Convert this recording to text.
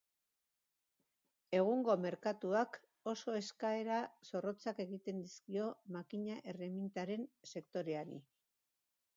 Egungo merkatuak oso eskaera zorrotzak egiten dizkio makina erremintaren sektoreari.